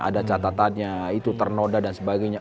ada catatannya itu ternoda dan sebagainya